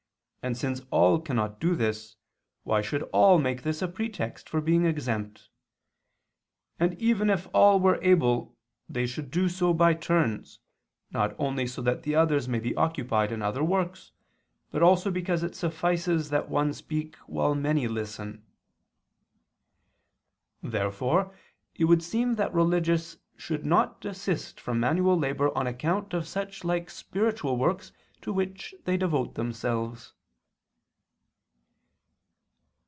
And since all cannot do this, why should all make this a pretext for being exempt? And even if all were able, they should do so by turns, not only so that the others may be occupied in other works, but also because it suffices that one speak while many listen." Therefore it would seem that religious should not desist from manual labor on account of such like spiritual works to which they devote themselves.